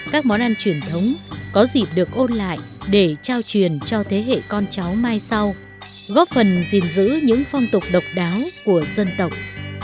các món ăn truyền thống có dịp được ôn lại để trao truyền cho thế hệ con cháu mai sau góp phần gìn giữ những phong tục độc đáo của dân tộc